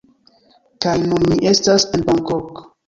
Kaj nun ni estas en Bangkok!